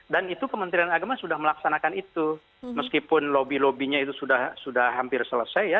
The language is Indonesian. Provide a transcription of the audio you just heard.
dan itu kementerian agama sudah melaksanakan itu meskipun lobby lobbynya itu sudah hampir selesai ya